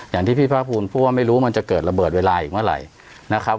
อย่างที่พี่ภาคภูมิพูดว่าไม่รู้มันจะเกิดระเบิดเวลาอีกเมื่อไหร่นะครับ